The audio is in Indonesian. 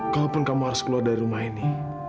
kalaupun kamu harus keluar dari rumah ini